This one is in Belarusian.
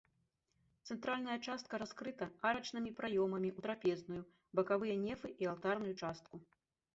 Цэнтральная частка раскрыта арачнымі праёмамі ў трапезную, бакавыя нефы і алтарную частку.